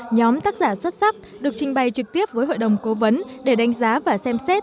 nhóm tác giả xuất sắc được trình bày trực tiếp với hội đồng cố vấn để đánh giá và xem xét